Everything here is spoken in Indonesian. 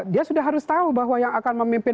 dia sudah harus tahu bahwa yang akan memimpin